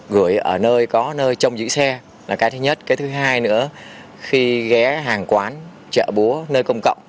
gửi ở nơi có nơi trong giữ xe là cái thứ nhất cái thứ hai nữa khi ghé hàng quán chợ búa nơi công cộng